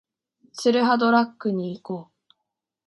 ツルハドラッグに行こう